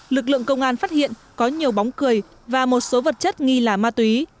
lực lượng công an phát hiện có nhiều bóng cười và một số vật chất nghi là ma túy